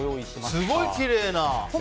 すごい、きれいな。